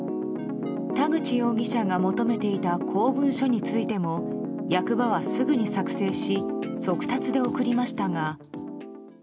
田口容疑者が求めていた公文書についても役場はすぐに作成し速達で送りましたが。